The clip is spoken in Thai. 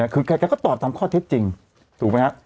คือแกก็ตอบตามข้อเท็จจริงถูกไหมฮะ